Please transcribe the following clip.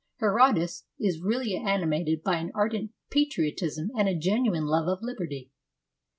Herodotus is really animated by an ardent patriot ism and a genuine love of liberty.